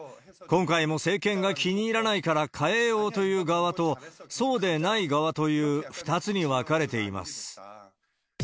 今回も政権が気に入らないから替えようという側と、そうでない側という２つに分かれています。